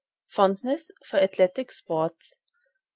Fondness for Athletic Sports.